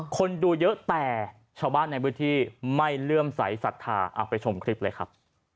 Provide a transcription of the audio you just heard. คนดูเยอะแต่ชาวบ้านในพื้นที่ไม่เลื่อมใสสัทธาเอาไปชมคลิปเลยครับ